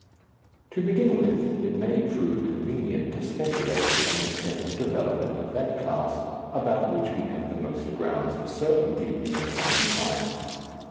To begin with, it may prove convenient to speculate upon the trend of development of that class about which we have the most grounds for certainty in the coming time.